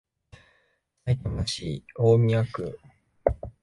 さいたま市大宮区